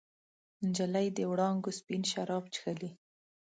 نجلۍ د وړانګو سپین شراب چښلي